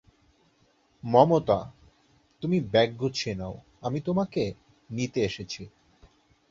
মমতা, তুমি ব্যাগ গুছিয়ে নাও আমি তোমাকে নিতে এসেছি।